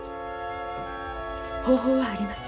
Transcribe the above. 方法はあります。